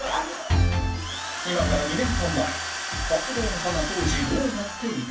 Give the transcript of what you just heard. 今から２年半前長谷川の歯が当時どうなっていたのか？